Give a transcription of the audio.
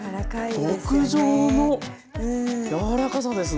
極上の柔らかさですね。